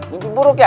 mungkin buruk ya